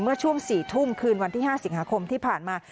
เมื่อช่วง๔ทุ่มคืนวันที่๕สิงหาคมที่ผ่านมา